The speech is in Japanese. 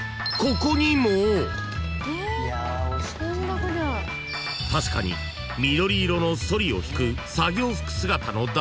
［確かに緑色のソリを引く作業服姿の男性が］